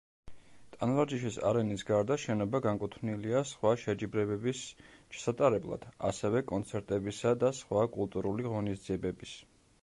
ტანვარჯიშის არენის გარდა შენობა განკუთვნილია სხვა შეჯიბრებების ჩასატარებლად, ასევე კონცერტებისა და სხვა კულტურული ღონისძიებების.